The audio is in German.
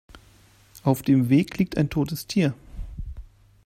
Auf dem Weg liegt ein totes Tier.